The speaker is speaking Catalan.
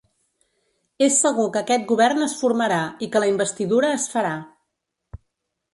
És segur que aquest govern es formarà i que la investidura es farà.